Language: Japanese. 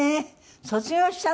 卒業したの？